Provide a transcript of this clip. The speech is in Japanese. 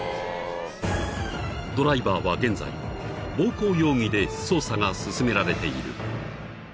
［ドライバーは現在暴行容疑で捜査が進められている］